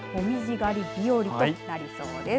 紅葉狩り日和となりそうです。